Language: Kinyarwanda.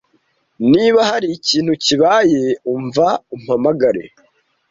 Niba hari ikintu kibaye, umva umpamagare.